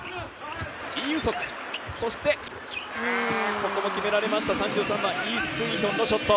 ここも決められました、３３番イ・スンヒョンのショット。